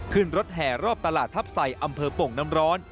ขึ้นรถแห่รอบตลาดทัพใส่อำเภอโป่งน้ำร้อน